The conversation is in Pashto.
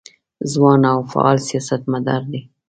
ځوان او فعال سیاستمدار دی.